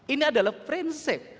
ini adalah prinsip